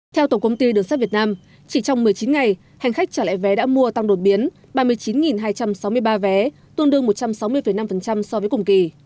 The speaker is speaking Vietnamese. theo tổng công ty đường sắt việt nam chỉ trong một mươi chín ngày hành khách trả lại vé đã mua tăng đột biến ba mươi chín hai trăm sáu mươi ba vé tương đương một trăm sáu mươi năm so với cùng kỳ